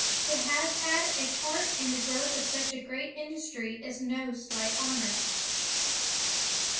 To have had a part in the growth of such a great industry is no slight honor.